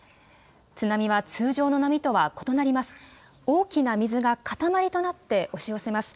津波は通常の波とは異なります。